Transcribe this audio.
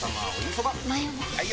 ・はい！